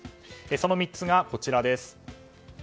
その３つが、こちらです。